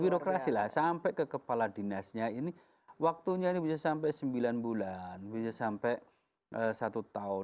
birokrasi lah sampai ke kepala dinasnya ini waktunya ini bisa sampai sembilan bulan bisa sampai satu tahun